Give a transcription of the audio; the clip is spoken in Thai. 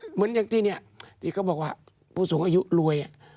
เหมือนอย่างที่เนี่ยที่เขาบอกว่าผู้สูงอายุรวย